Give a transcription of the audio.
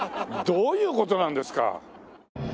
どういう事なんですか。